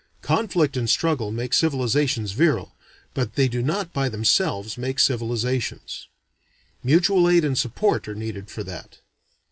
Conflict and struggle make civilizations virile, but they do not by themselves make civilizations. Mutual aid and support are needed for that.